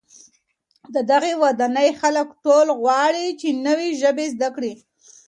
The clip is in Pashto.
د دغي ودانۍ خلک ټول غواړي چي نوې ژبې زده کړي.